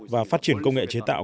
và phát triển công nghệ chế tạo